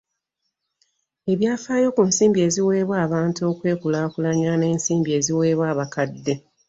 Ebyafaayo ku nsimbi eziweebwa abantu okwekulaakulanya n’ensimbi eziweebwa abakadde.